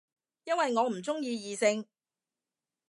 因為我唔鍾意異性